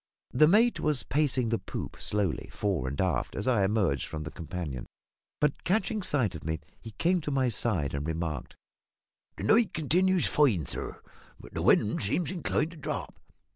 The mate was pacing the poop slowly, fore and aft, as I emerged from the companion; but, catching sight of me, he came to my side and remarked "The night continues fine, sir, but the wind seems inclined to drop.